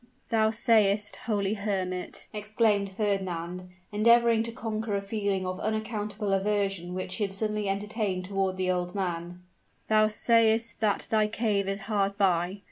"Thou sayest, holy hermit," exclaimed Fernand, endeavoring to conquer a feeling of unaccountable aversion which he had suddenly entertained toward the old man, "thou sayest that thy cave is hard by.